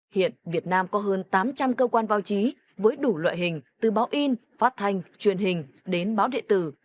hiện việt nam có hơn tám trăm linh cơ quan báo chí với đủ loại hình từ báo in phát thanh truyền hình đến báo địa tử